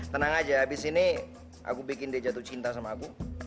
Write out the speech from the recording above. tenang aja abis ini aku bikin dia jatuh cinta sama aku